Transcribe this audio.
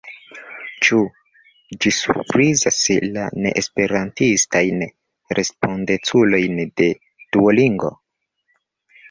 Ĉu ĝi surprizis la neesperantistajn respondeculojn de Duolingo?